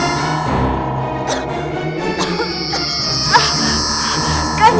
ehiri statu pemerintahku ini adalah ini